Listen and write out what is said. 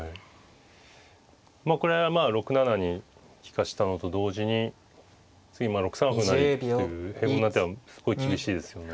これはまあ６七に利かしたのと同時に次６三歩成という平凡な手はすごい厳しいですよね。